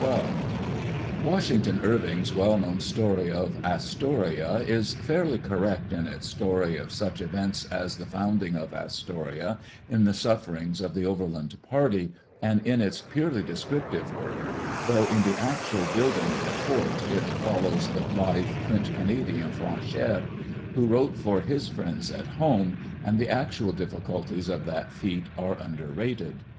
Washington Irving's well known story of Astoria is fairly correct in its story of such events as the founding of Astoria, in the suf ferings of the overland party, and in its purely descriptive work, though in the actual building of the fort it follows the blithe French Canadian Franchere, who wrote for his friends at home, and the actual difficulties of that feat are underrated.